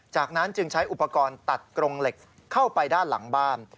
จากนั้นจึงใช้อุปกรณ์ตัดกรงเหล็กเข้าไปด้านหลังบ้าน